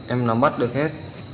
em làm bắt được hết